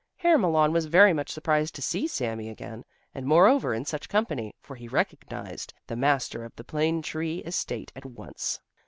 Herr Malon was very much surprised to see Sami again, and moreover in such company, for he recognized the master of the plane tree estate at once.